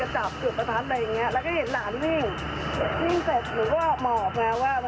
สวัสดีครับ